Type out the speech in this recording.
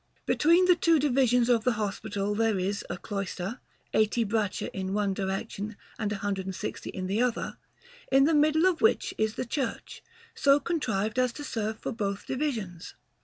Between the two divisions of the hospital there is a cloister, 80 braccia in extent in one direction and 160 in the other, in the middle of which is the church, so contrived as to serve for both divisions.